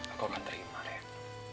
aku akan terima rek